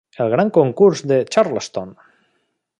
El gran concurs de Charleston.